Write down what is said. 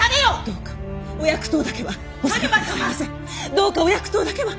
どうかお薬湯だけは！